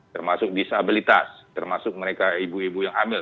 termasuk disabilitas termasuk mereka ibu ibu yang hamil